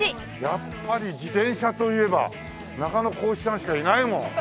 やっぱり自転車といえば中野浩一さんしかいないもん。